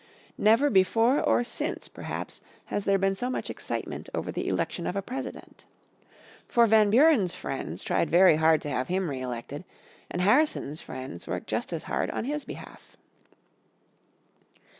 Never before or since perhaps has there been so much excitement over the election of a President. For Van Buren's friends tried very hard to have him re elected, and Harrison's friends worked just as hard on his behalf.